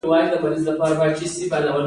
شنه کورونه د نباتاتو ساتنه کوي